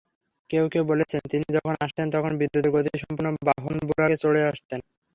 কেউ কেউ বলেছেন, তিনি যখন আসতেন তখন বিদ্যুতের গতিসম্পন্ন বাহন বুরাকে চড়ে আসতেন।